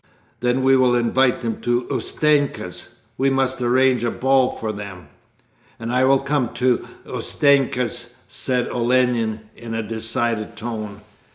Then we will invite them to Ustenka's. We must arrange a ball for them!' 'And I will come to Ustenka's,' said Olenin in a decided tone.